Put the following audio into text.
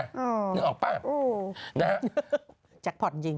นึกออกป้ะนะฮะฮื้อแจกพอร์ตจริง